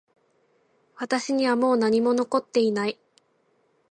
私にはもう何も残っていない